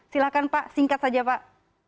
silahkan pak singkat saja pak